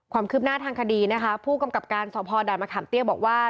ความคืบหน้าทางคดีนะคะผู้กำกับการสอบพอด่านมะขามเตี้ยบอกว่า